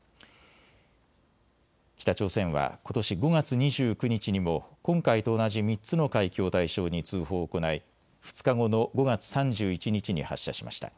北朝鮮はことし５月２９日にも今回と同じ３つの海域を対象に通報を行い２日後の５月３１日に発射しました。